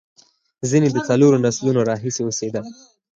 ځینې د څلورو نسلونو راهیسې اوسېدل.